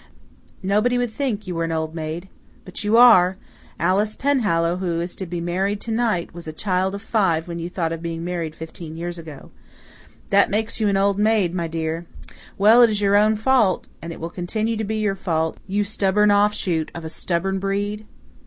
"Nobody would think you were an old maid. But you are. Alice Penhallow, who is to be married to night, was a child of five when you thought of being married fifteen years ago. That makes you an old maid, my dear. Well, it is your own fault, and it will continue to be your own fault, you stubborn offshoot of a stubborn breed!"